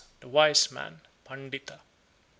The Wise Man (Pandita) 76.